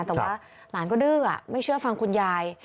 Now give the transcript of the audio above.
แต่ว่าหลานก็ดื้อไม่เชื่อฟังคุณยาย